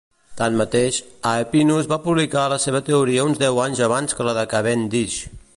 Tanmateix, Aepinus va publicar la seva teoria uns deu anys abans que la de Cavendish.